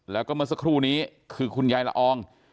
แล้วก็เมื่อสักครู่นี้คือคุณยายละออง